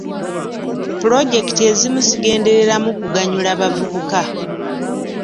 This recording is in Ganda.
Pulojekiti ezimu zigendereramu kuganyula bavubuka